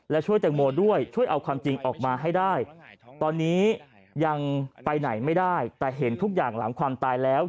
และช่วยแตงโมด้วยช่วยเอาความจริงออกมาให้ได้ตอนนี้ยังไปไหนไม่ได้แต่เห็นทุกอย่างหลังความตายแล้ว